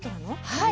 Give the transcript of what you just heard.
はい。